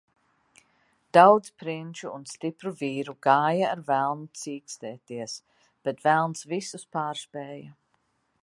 Daudz prinču un stipru vīru gāja ar velnu cīkstēties, bet velns visus pārspēja.